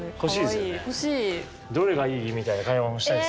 「どれがいい？」みたいな会話もしたいです。